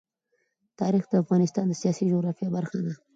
تاریخ د افغانستان د سیاسي جغرافیه برخه ده.